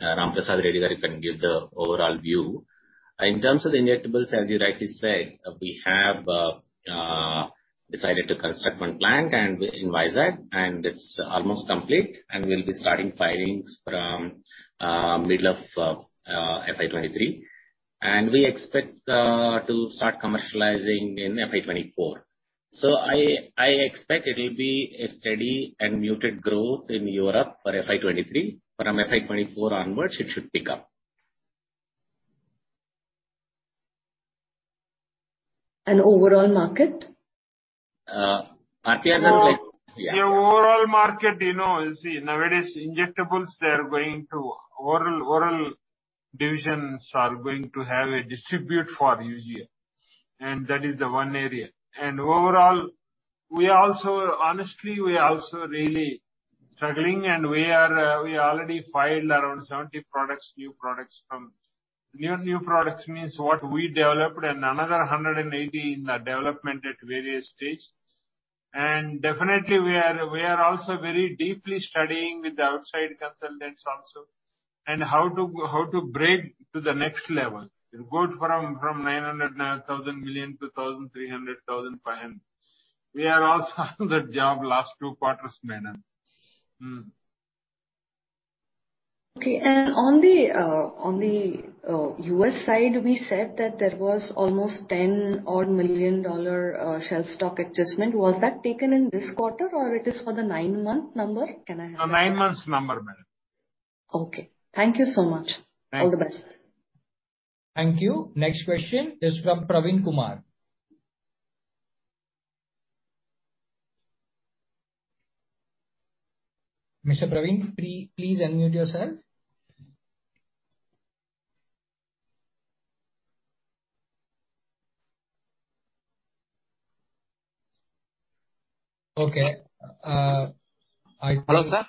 Ramprasad Reddy can give the overall view. In terms of the injectables, as you rightly said, we have decided to construct one plant in Vizag, and it's almost complete, and we'll be starting filings from middle of FY 2023. We expect to start commercializing in FY 2024. I expect it will be a steady and muted growth in Europe for FY 2023. From FY 2024 onwards, it should pick up. Overall market? P.V. Ramprasad Reddy like- The overall market, you know, is nowadays injectables, they are going to oral divisions are going to have a distribute for this year, that is the one area. Overall, honestly, we are also really struggling, we already filed around 70 products, new products. New products means what we developed and another 180 in the development at various stage. Definitely, we are also very deeply studying with the outside consultants also on how to, how to break to the next level. To go from 900 thousand million to 1,300 thousand per annum. We are also on that job last two quarters, madam. Okay. On the U.S. side, we said that there was almost $10 million shelf stock adjustment. Was that taken in this quarter or it is for the nine-month number? Can I know that? The nine months number, madam. Okay. Thank you so much. Thanks. All the best. Thank you. Next question is from Praveen Kumar. Mr. Praveen, please unmute yourself. Okay. Hello, sir. Can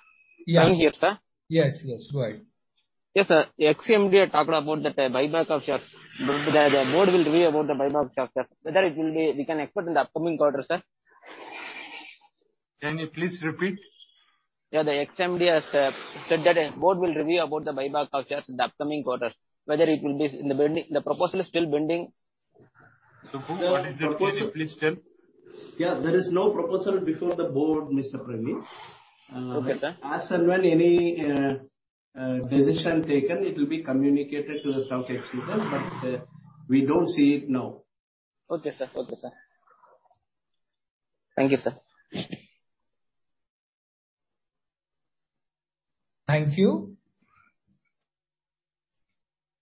you hear, sir? Yes, yes. Go ahead. Yes, sir. Ex-MD had talked about that buyback of shares. The board will review about the buyback of shares. Whether we can expect in the upcoming quarter, sir? Can you please repeat? Yeah, the ex-MD has said that the Board will review about the buyback of shares in the upcoming quarters. Whether it will be in the building. The proposal is still building. Who brought it? Can you please tell? Yeah. There is no proposal before the Board, Mr. Praveen. Okay, sir. As and when any, Decision taken, it will be communicated to the stock exchanges, but we don't see it now. Okay, sir. Thank you, sir. Thank you.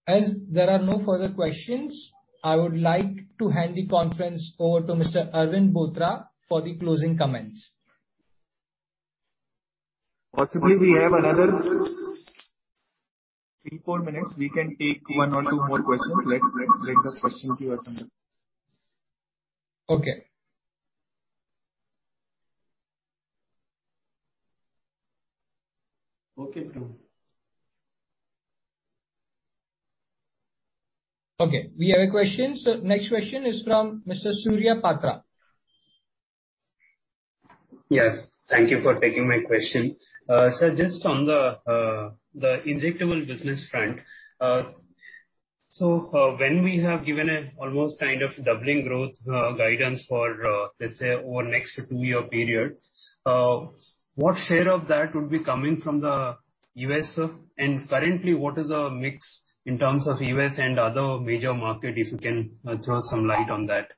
As there are no further questions, I would like to hand the conference over to Mr. Arvind Bothra for the closing comments. Possibly we have another 3-4 minutes. We can take one or two more questions. Let the questions be asked. Okay. Okay. Okay, we have a question. Next question is from Mr. Surya Patra. Yeah, thank you for taking my question. Just on the injectable business front. When we have given an almost kind of doubling growth guidance for let's say over next two-year period, what share of that would be coming from the U.S., sir? Currently, what is our mix in terms of U.S. and other major market, if you can throw some light on that?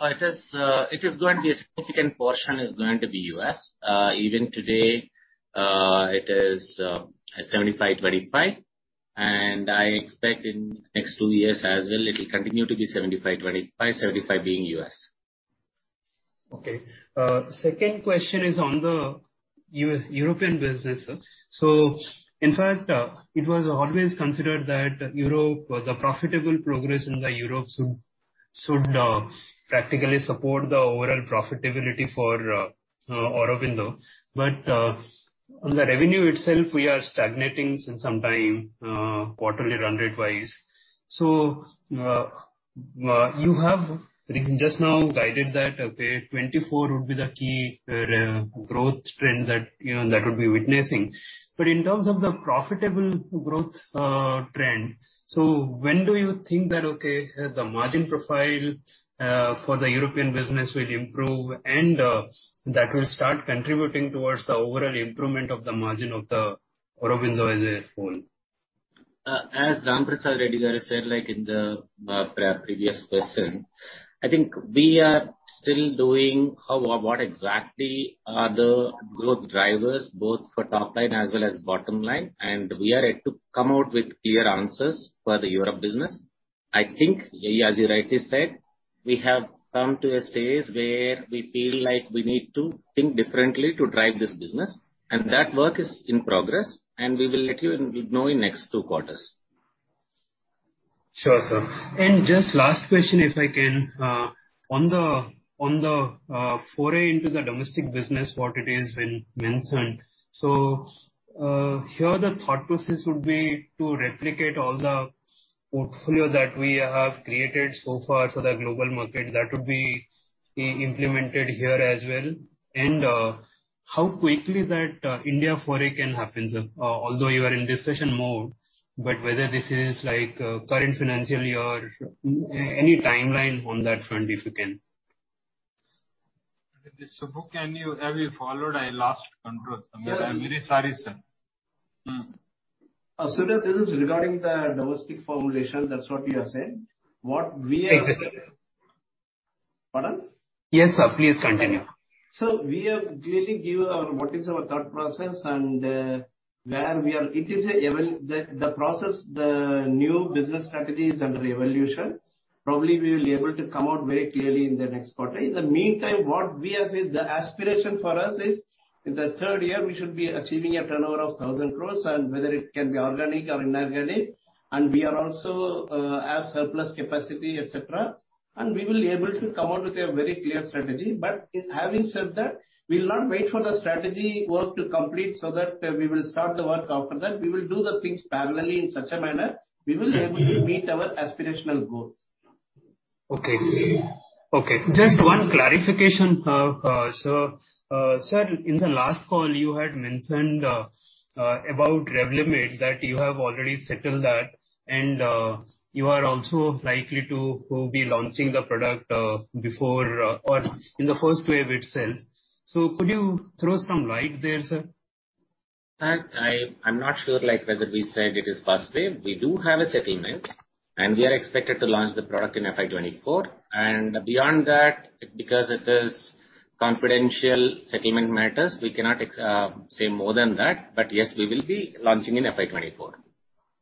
A significant portion is going to be U.S. Even today, it is 75/25, and I expect in next two years as well, it will continue to be 75/25, 75 being U.S. Okay. Second question is on the European business, sir. In fact, it was always considered that Europe, the profitable progress in Europe should practically support the overall profitability for Aurobindo. On the revenue itself, we are stagnating since some time, quarterly run rate wise. You have just now guided that 2024 would be the key growth trend that, you know, that would be witnessing. In terms of the profitable growth trend, when do you think that the margin profile for the European business will improve and that will start contributing towards the overall improvement of the margin of Aurobindo as a whole? As Ramprasad Reddy said, like in the previous question, I think we are still doing how or what exactly are the growth drivers, both for top line as well as bottom line, and we are yet to come out with clear answers for the Europe business. I think, yeah, as you rightly said, we have come to a stage where we feel like we need to think differently to drive this business, and that work is in progress, and we will let you know in next two quarters. Sure, sir. Just last question, if I can. On the foray into the domestic business, what has been mentioned. Here the thought process would be to replicate all the portfolio that we have created so far for the global market, that would be implemented here as well? How quickly that India foray can happen, sir? Although you are in discussion mode, but whether this is like a current financial year, any timeline on that front, if you can. Subbu, have you followed? I lost control, Samir. I'm very sorry, sir. Mm. Surya, this is regarding the domestic formulation. That's what we are saying. Exactly. Pardon? Yes, sir. Please continue. We have clearly given our, what is our thought process and, where we are. It is an evaluation. The process, the new business strategy is under evolution. Probably we will be able to come out very clearly in the next quarter. In the meantime, what we have said, the aspiration for us is in the third year, we should be achieving a turnover of 1,000 crore and whether it can be organic or inorganic. We also have surplus capacity, et cetera. We will be able to come out with a very clear strategy. In having said that, we will not wait for the strategy work to complete so that we will start the work after that. We will do the things parallelly in such a manner we will be able to meet our aspirational goals. Okay. Just one clarification, sir. Sir, in the last call you had mentioned about Revlimid, that you have already settled that and you are also likely to be launching the product before or in the first wave itself. Could you throw some light there, sir? I'm not sure, like, whether we said it is first wave. We do have a settlement, and we are expected to launch the product in FY 2024. Beyond that, because it is confidential settlement matters, we cannot say more than that. Yes, we will be launching in FY 2024.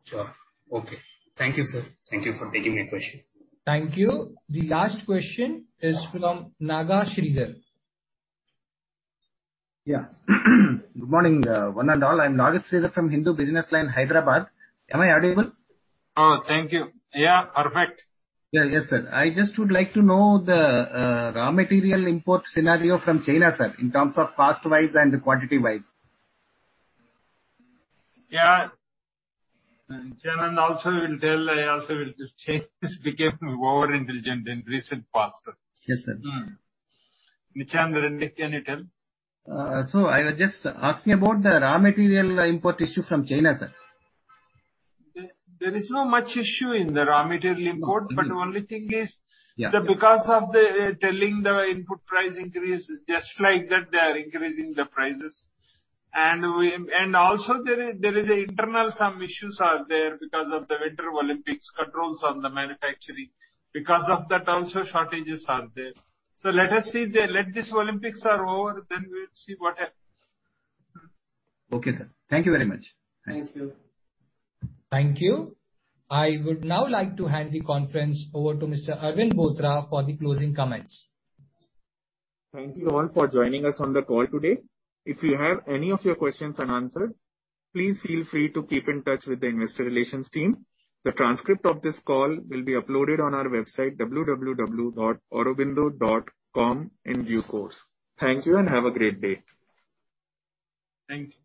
Sure. Okay. Thank you, sir. Thank you for taking my question. Thank you. The last question is from Naga Sridhar. Yeah. Good morning, one and all. I'm Naga Sridhar from Hindu Business Line, Hyderabad. Am I audible? Oh, thank you. Yeah, perfect. Yeah. Yes, sir. I just would like to know the raw material import scenario from China, sir, in terms of cost-wise and quantity-wise. Yeah. Nithyananda Reddy also will tell. I also will just change this because we were intelligent in recent past. Yes, sir. Nithyananda Reddy, can you tell? I was just asking about the raw material import issue from China, sir. There is not much issue in the raw material import. Mm-hmm. the only thing is Yeah. that because of the telling the input price increase, just like that, they are increasing the prices. We and also there is internal some issues are there because of the Winter Olympics controls on the manufacturing. Because of that also, shortages are there. Let us see. Let this Olympics are over, then we'll see what happens. Okay, sir. Thank you very much. Thank you. Thank you. I would now like to hand the conference over to Mr. Arvind Bothra for the closing comments. Thank you all for joining us on the call today. If you have any of your questions unanswered, please feel free to keep in touch with the investor relations team. The transcript of this call will be uploaded on our website, www.aurobindo.com in due course. Thank you and have a great day. Thank you.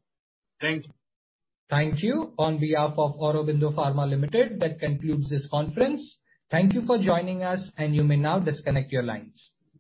Thank you. Thank you. On behalf of Aurobindo Pharma Limited, that concludes this conference. Thank you for joining us, and you may now disconnect your lines.